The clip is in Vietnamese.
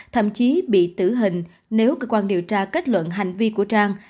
thậm chí bị tử hình nếu cơ quan điều tra kết luận hành vi của trang